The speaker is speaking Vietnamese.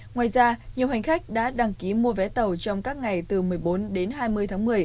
ngoài ra nhiều hành khách đã đăng ký mua vé tàu trong các ngày từ một mươi bốn đến hai mươi tháng một mươi